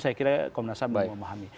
saya kira komnas ham belum memahami